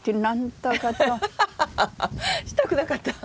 来たくなかった？